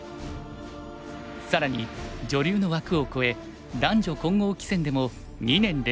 更に女流の枠を超え男女混合棋戦でも２年連続優勝。